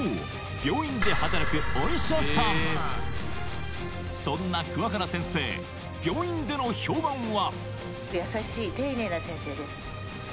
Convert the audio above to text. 病院で働くそんな桑原先生病院での評判は？